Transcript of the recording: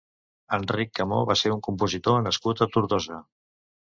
Enric Camó va ser un compositor nascut a Tortosa.